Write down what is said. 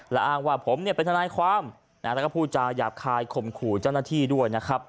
และอ้างว่าผมเป็นทนายความและผู้จาหยาบคายข่มขู่เจ้าหน้าที่ด้วย